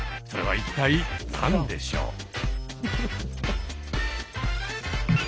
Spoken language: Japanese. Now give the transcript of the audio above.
それは一体何でしょう？